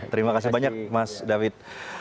terima kasih banyak mas david